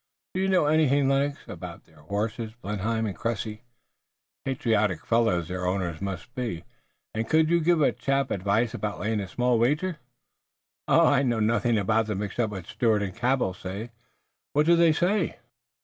Do you know anything, Lennox, about these horses, Blenheim and Cressy patriotic fellows their owners must be and could you give a chap advice about laying a small wager?" "I know nothing about them except what Stuart and Cabell say." "What do they say?"